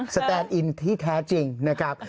แตนอินที่แท้จริงนะครับ